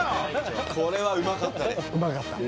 これはうまかったね